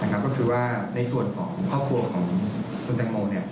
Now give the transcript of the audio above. ก็คือว่าในส่วนของครอบครัวของคุณแตงโม